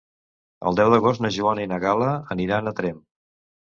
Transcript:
El deu d'agost na Joana i na Gal·la aniran a Tremp.